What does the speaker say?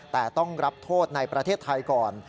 แต่ต้องรับโทษในประเทศไทยก่อน